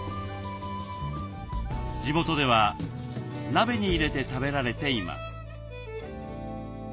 地元では鍋に入れて食べられています。